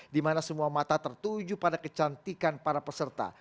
dimana semua mata tertuju pada kecantikan para peserta